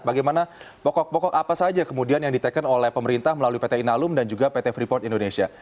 bagaimana pokok pokok apa saja kemudian yang diteken oleh pemerintah melalui pt inalum dan juga pt freeport indonesia